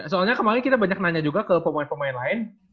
soalnya kemarin kita banyak nanya juga ke pemain pemain lain